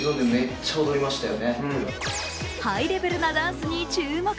ハイレベルなダンスに注目。